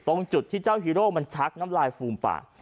ตรงจุดที่เจ้าฮีโร่มันชักน้ำลายฟูมปาก